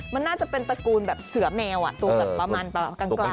มันน่าจะเป็นตระกูลแบบเสือแมวตัวแบบประมาณกลาง